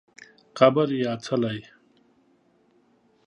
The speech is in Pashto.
قبر یا څلی